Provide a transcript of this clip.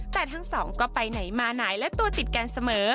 แต่ทั้งสองก็ไปไหนมาไหนและตัวติดกันเสมอ